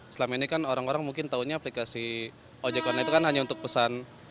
selama ini kan orang orang mungkin taunya aplikasi ojekon itu kan hanya untuk pesan